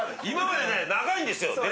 今までね長いんですよ